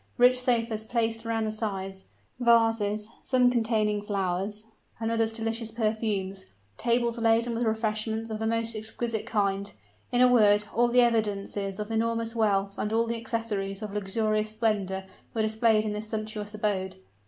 Rich sofas placed around the sides vases, some containing flowers and others delicious perfumes tables laden with refreshments of the most exquisite kind, in a word, all the evidences of enormous wealth and all the accessories of luxurious splendor were displayed in this sumptuous abode.